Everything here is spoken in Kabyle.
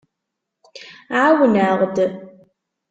Ɛawen-aɣ-d.